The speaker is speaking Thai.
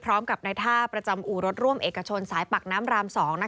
พร้อมกับในท่าประจำอู่รถร่วมเอกชนสายปักน้ำราม๒